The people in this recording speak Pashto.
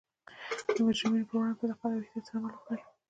د مجرمینو پر وړاندې په دقت او احتیاط سره عمل وکړي